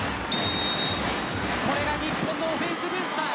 これが日本のオフェンスブースター。